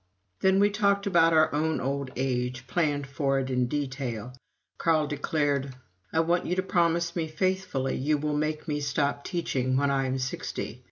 Then we talked about our own old age planned it in detail. Carl declared: "I want you to promise me faithfully you will make me stop teaching when I am sixty.